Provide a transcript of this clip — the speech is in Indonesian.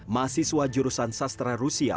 mahasiswa jurusan sastra rusia